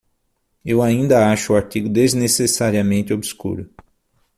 Eu ainda acho o artigo desnecessariamente obscuro.